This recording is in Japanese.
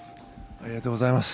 ありがとうございます。